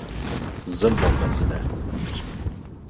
zilma mezin e.